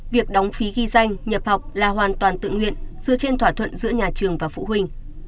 việc đóng phí ghi danh nhập học là hoàn toàn tự nguyện dựa trên thỏa thuận giữa nhà trường và phụ huynh